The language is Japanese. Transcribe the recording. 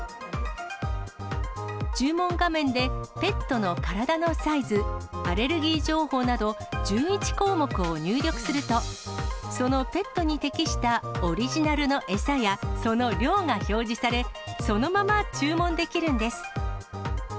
注文画面で、ペットの体のサイズ、アレルギー情報など、１１項目を入力すると、そのペットに適したオリジナルの餌や、その量が表示され、そのまま注文できるんです。